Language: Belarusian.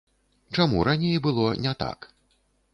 Чаму раней было не так?